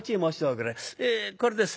えこれです。